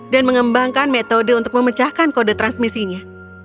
dan mengembangkan metode untuk memecahkan kode transmisinya